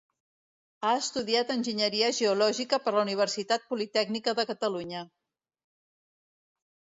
Ha estudiat Enginyeria Geològica per la Universitat Politècnica de Catalunya.